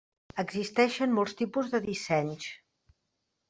Existeixen molts tipus de dissenys.